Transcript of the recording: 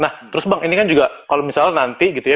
nah terus bang ini kan juga kalau misalnya nanti gitu ya